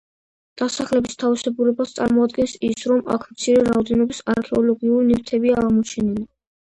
დასახლების თავისებურებას წარმოადგენს ის, რომ აქ მცირე რაოდენობის არქეოლოგიური ნივთებია აღმოჩენილი.